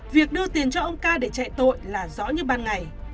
việc đưa tiền cho ông ca để chạy tội là rõ như ban ngày